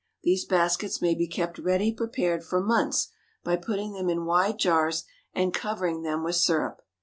These baskets may be kept ready prepared for months by putting them in wide jars and covering them with syrup.